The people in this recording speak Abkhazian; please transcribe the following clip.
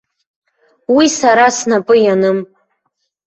Уи сара снапы ианым.